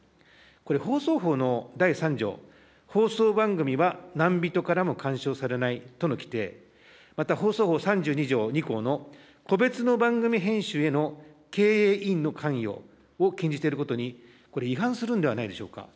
これ、放送法の第３条、放送番組は何人からも干渉されないとの規定、また放送法３２条２項の個別の番組編集への経営委員の関与を禁じていることに、これ、違反するんではないでしょうか。